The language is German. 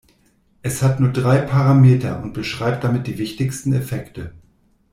Es hat nur drei Parameter und beschreibt damit die wichtigsten Effekte.